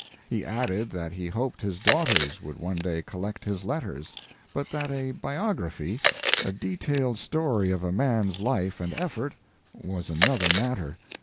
He added that he hoped his daughters would one day collect his letters, but that a biography a detailed story of a man's life and effort was another matter.